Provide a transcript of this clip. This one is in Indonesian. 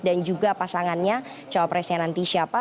dan juga pasangannya capresnya nanti siapa